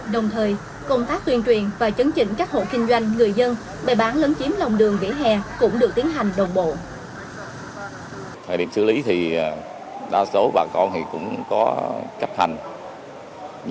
đồng thời công tác tuyên truyền và chấn trình các hộ kinh doanh